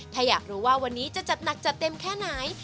ถ้าอยากรู้ว่าวันนี้จะจัดหนักจัดเต็มแค่ไหน